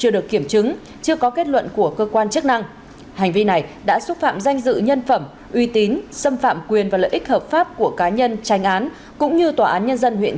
lợi ích hợp pháp của tổ chức cá nhân quyền và lợi ích hợp pháp của tổ chức cá nhân